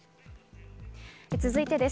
続いてです。